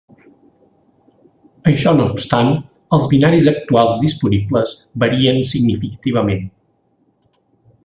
Això no obstant, els binaris actuals disponibles varien significativament.